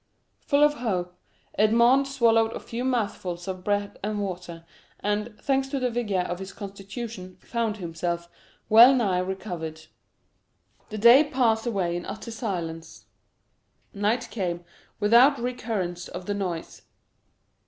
Full of hope, Edmond swallowed a few mouthfuls of bread and water, and, thanks to the vigor of his constitution, found himself well nigh recovered. The day passed away in utter silence—night came without recurrence of the noise.